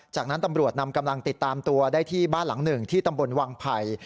จากนั้นตำรวจนำกำลังติดตามตัวได้ที่บ้านหลังหนึ่งที่ตำบลวังไผ่